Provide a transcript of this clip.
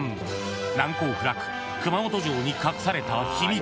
難攻不落、熊本城に隠された秘密。